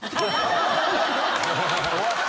終わった！